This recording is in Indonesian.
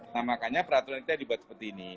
nah makanya peraturan kita dibuat seperti ini